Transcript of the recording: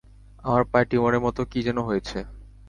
আমার পায়ে টিউমারের মত কি যেন হয়েছে।